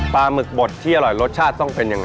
หมึกบดที่อร่อยรสชาติต้องเป็นยังไง